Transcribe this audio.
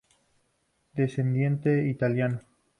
Descendiente italiano.